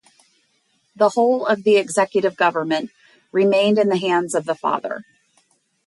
The whole of the executive government remained in the hands of the father.